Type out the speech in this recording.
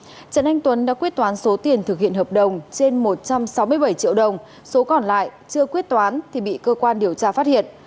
trần anh tuấn đã quyết toán số tiền thực hiện hợp đồng trên một trăm sáu mươi bảy triệu đồng số còn lại chưa quyết toán thì bị cơ quan điều tra phát hiện